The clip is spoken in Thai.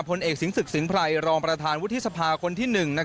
ผลเอกสิงศึกสินไพรรองประธานวุฒิสภาคนที่๑